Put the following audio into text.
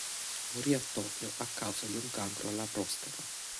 Morì a Tokyo a causa di un cancro alla prostata.